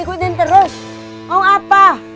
ya kang dik dik ada apa